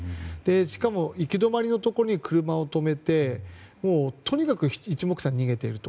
しかも行き止まりのところに車を止めてもうとにかく一目散に逃げていると。